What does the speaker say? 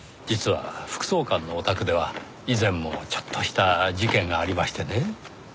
実は副総監のお宅では以前もちょっとした事件がありましてねぇ。